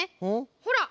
ほら！